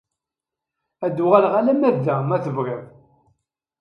Ad d-uɣaleɣ alamma d da ma tebɣiḍ.